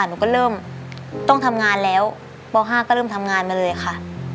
หนูก็เริ่มต้องทำงานแล้วป๕ก็เริ่มทำงานมาเลยค่ะ